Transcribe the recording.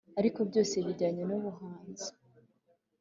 ariko byose bijyanye n’ubuhanzi.